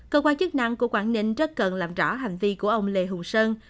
cơ quan chức năng của quảng ninh rất cần làm rõ hành vi của ông lê hùng sơn